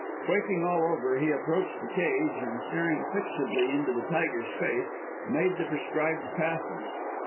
Quaking all over, he approached the cage, and staring fixedly into the tiger's face, made the prescribed passes.